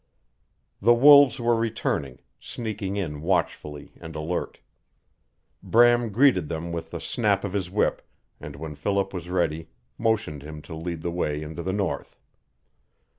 The wolves were returning, sneaking in watchfully and alert. Bram greeted them with the snap of his whip, and when Philip was ready motioned him to lead the way into the north.